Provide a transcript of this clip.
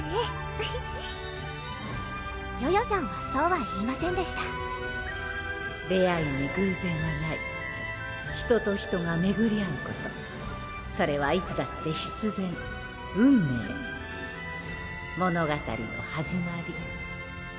フフッヨヨさんはそうは言いませんでした出会いに偶然はない人と人がめぐり会うことそれはいつだ物語の始まり